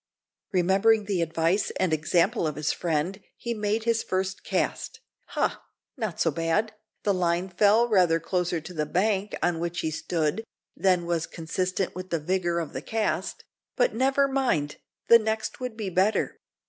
Remembering the advice and example of his friend, he made his first cast. Ha! not so bad. The line fell rather closer to the bank on which he stood than was consistent with the vigour of the cast; but never mind, the next would be better!